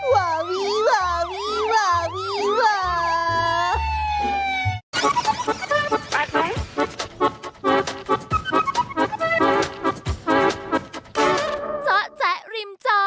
ว่าวีว่าวีว่าวีว่าวี